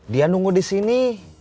dia nunggu disini